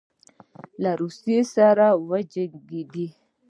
له روسیې سره وجنګېدی.